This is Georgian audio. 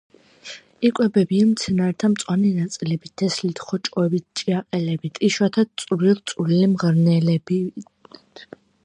იკვებებიან მცენარეთა მწვანე ნაწილებით, თესლით, ხოჭოებით, ჭიაყელებით, იშვიათად წვრილ-წვრილი მღრღნელებით.